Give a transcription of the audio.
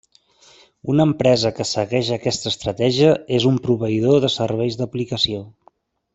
Una empresa que segueix aquesta estratègia és un proveïdor de serveis d'aplicació.